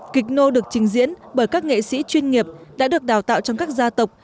kịch nô được trình diễn bởi các nghệ sĩ chuyên nghiệp đã được đào tạo trong các gia tộc